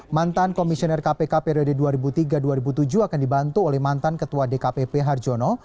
mantan komisioner kpk periode dua ribu tiga dua ribu tujuh akan dibantu oleh mantan ketua dkpp harjono